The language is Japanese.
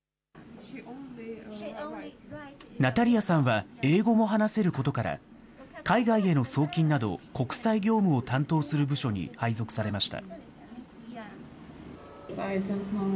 ナタリアさんは英語も話せることから、海外への送金など、国際業務を担当する部署に配属されました。